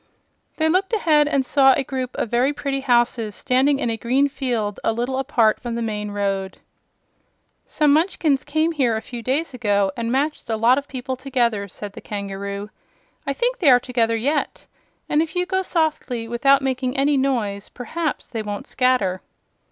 They looked ahead and saw a group of very pretty houses standing in a green field a little apart from the main road. "Some Munchkins came here a few days ago and matched a lot of people together," said the kangaroo. "I think they are together yet, and if you go softly, without making any noise, perhaps they won't scatter."